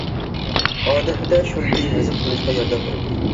ئادەتتە شۆلگەي ھەزىم قىلىشقا ياردەم بېرىدۇ.